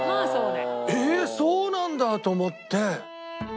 「えっそうなんだ！」と思って。